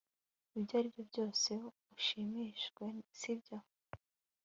Ibyo aribyo byose ushimishijwe sibyo